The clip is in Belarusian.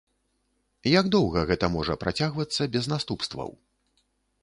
Як доўга гэта можа працягвацца без наступстваў?